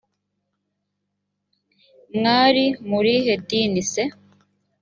mwari mu rihe dini se